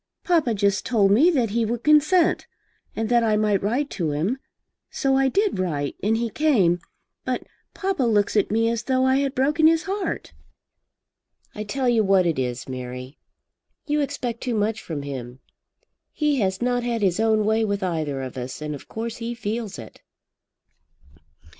Papa just told me that he would consent, and that I might write to him. So I did write, and he came. But papa looks at me as though I had broken his heart." "I tell you what it is, Mary. You expect too much from him. He has not had his own way with either of us, and of course he feels it."